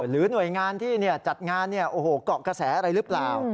หรือหน่วยงานที่จัดงานเกาะกระแสอะไรหรือเปล่า